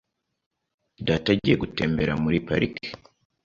Data agiye gutembera muri parike .